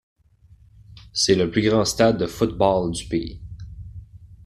C'est le plus grand stade de football du pays.